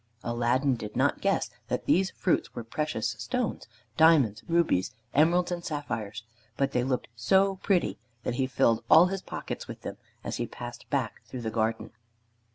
Aladdin did not guess that these fruits were precious stones, diamonds, rubies, emeralds, and sapphires, but they looked so pretty that he filled all his pockets with them as he passed back through the garden.